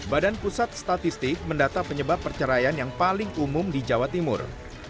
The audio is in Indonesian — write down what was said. badan pusat statistik mendata penyebab perceraian yang paling umum di jawa timur